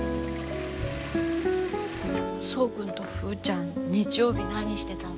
そう君とふうちゃん日曜日何してたの？